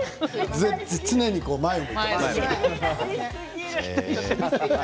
常に前を向いている。